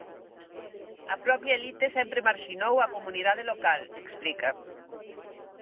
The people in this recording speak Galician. A propia elite sempre marxinou a comunidade local −explica−.